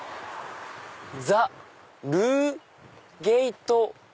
ザルーゲート。